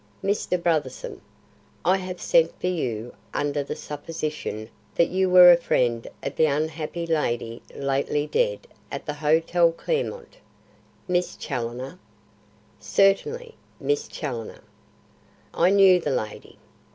"Mr. Brotherson, I have sent for you under the supposition that you were a friend of the unhappy lady lately dead at the Hotel Clermont." "Miss Challoner?" "Certainly; Miss Challoner." "I knew the lady.